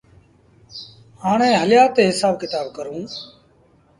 هآڻي هليآ تا هسآب ڪتآب ڪرون